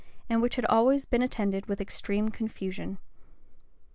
and which had always been attended with extreme confusion.